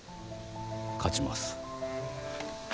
勝ちます。